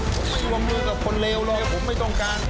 ผมไม่วงมือกับคนเลวเลยผมไม่ต้องการ